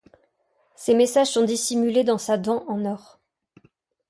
Ces messages sont dissimulés dans sa dent en or.